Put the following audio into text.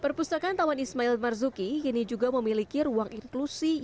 perpustakaan taman ismail marzuki ini juga memiliki ruang inklusifnya